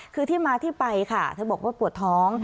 คือที่มาที่ไปค่ะเธอบอกว่าปวดท้อง